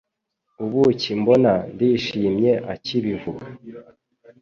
Ubuki mbona ndishimye aki bivuga.